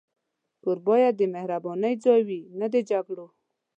کور باید د مهربانۍ ځای وي، نه د جګړو.